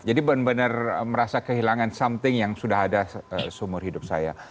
jadi benar benar merasa kehilangan sesuatu yang sudah ada seumur hidup saya